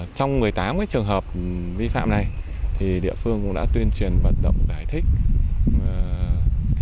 trong một mươi tám trường hợp vi phạm này địa phương cũng đã tuyên truyền vận động giải thích